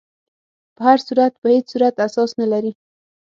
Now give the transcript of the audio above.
په هر صورت په هیڅ صورت اساس نه لري.